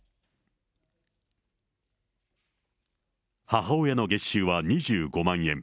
母親の月収は２５万円。